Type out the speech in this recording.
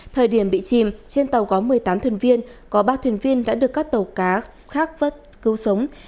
thời điểm bị chìm trên tàu có một mươi tám thuyền viên có ba thuyền viên đã được các tàu cá khác vớt cứu sống